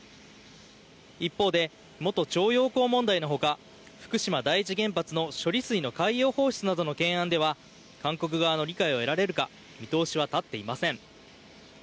一方で、元徴用工問題の他福島第一原発の処理水の海洋放出などの懸案では韓国側の理解を得られるか見通しは立っていません。